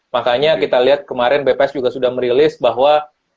makanya kita lihat kemarin bps juga sudah merilis bahwa